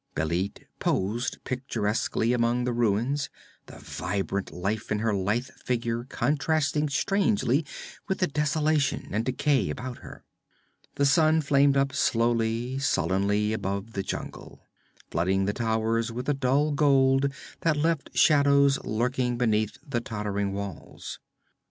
Bêlit posed picturesquely among the ruins, the vibrant life in her lithe figure contrasting strangely with the desolation and decay about her. The sun flamed up slowly, sullenly, above the jungle, flooding the towers with a dull gold that left shadows lurking beneath the tottering walls.